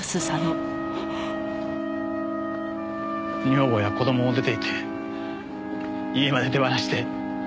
女房や子供も出ていって家まで手放して。